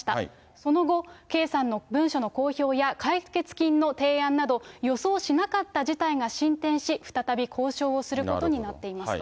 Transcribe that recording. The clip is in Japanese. その後、圭さんの文書の公表や解決金の提案など、予想しなかった事態が進展し、再び交渉をすることになっていますと。